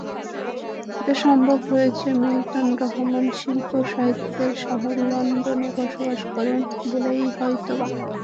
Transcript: এটি সম্ভব হয়েছে মিলটন রহমান শিল্প-সাহিত্যের শহর লন্ডনে বসবাস করেন বলেই হয়তবা।